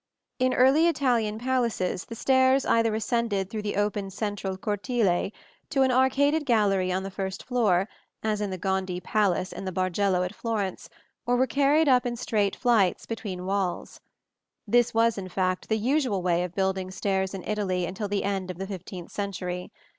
In early Italian palaces the stairs either ascended through the open central cortile to an arcaded gallery on the first floor, as in the Gondi palace and the Bargello at Florence, or were carried up in straight flights between walls. This was, in fact, the usual way of building stairs in Italy until the end of the fifteenth century.